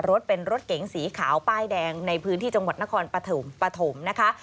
รถเก๋งเป็นรถเก๋งสีขาวป้ายแดงในพื้นที่จังหวัดนครปฐมปฐมนะคะ